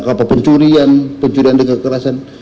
apapun curian pencurian dengan kekerasan